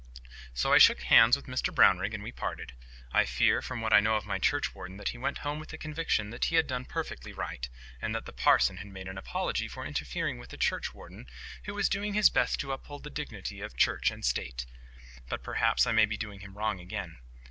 So I shook hands with Mr Brownrigg, and we parted. I fear, from what I know of my churchwarden, that he went home with the conviction that he had done perfectly right; and that the parson had made an apology for interfering with a churchwarden who was doing his best to uphold the dignity of Church and State. But perhaps I may be doing him wrong again.